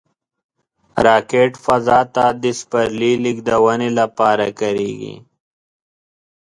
راکټ فضا ته د سپرلي لیږدونې لپاره کارېږي